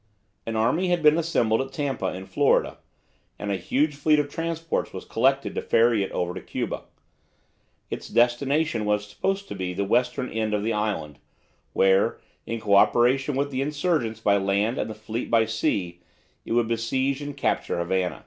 An army had been assembled at Tampa, in Florida, and a huge fleet of transports was collected to ferry it over to Cuba. Its destination was supposed to be the western end of the island, where, in co operation with the insurgents by land and the fleet by sea, it would besiege and capture Havana.